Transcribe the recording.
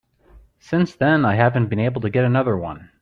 Since then I haven't been able to get another one.